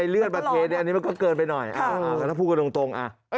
เลือดมาเทอันนี้มันก็เกินไปหน่อยคุณภูมิก็ตรงอ่ะค่ะ